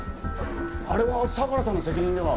あれは相良さんの責任では。